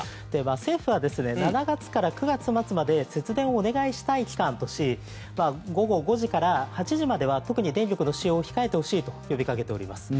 政府は７月から９月末まで節電をお願いしたい期間とし午後５時から８時までは特に電力の使用を控えてほしいと呼びかけております。